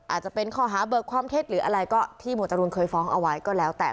อาจจะเป็นข้อหาเบิกความเท็จหรืออะไรก็ที่หมวดจรูนเคยฟ้องเอาไว้ก็แล้วแต่